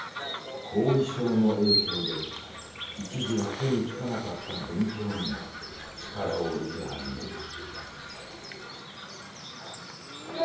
後遺症の影響で一時は手につかなかった勉強にも力を入れ始めた。